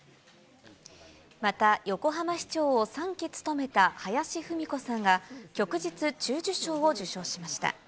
また横浜市長を３期務めた林文子さんが、旭日中綬章を受章しました。